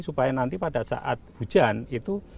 supaya nanti pada saat hujan itu